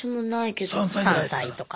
３歳とか。